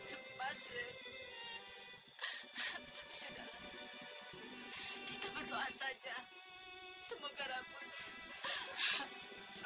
kau preached itu selama satu minggu tadi